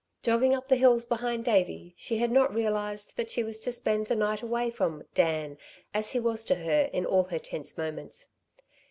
Jogging up the hills behind Davey, she had not realised that she was to spend the night away from "Dan," as he was to her in all her tense moments.